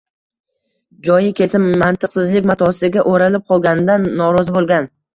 Joyi kelsa, mantiqsizlik matosiga o‘ralib qolganidan norozi bo‘lgan